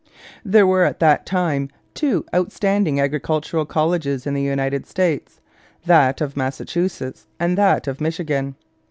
There were at that time two outstanding agricultural colleges in the United States, that of Massachusetts and that of Michigan.